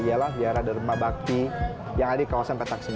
ini adalah biara derma bakti yang ada di kawasan petak sembilan ini